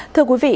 thưa quý vị